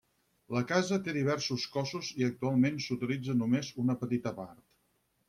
La casa té diversos cossos i actualment s'utilitza només una petita part.